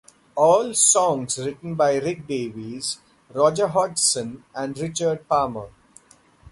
All songs written by Rick Davies, Roger Hodgson and Richard Palmer.